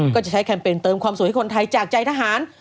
ก็จะใช้แคมเปญเติมความสวยให้คนไทยจากใจทหาร